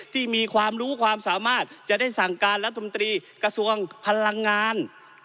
ที่มีความรู้ความสามารถจะได้สั่งการรัฐมนตรีกระทรวงพลังงาน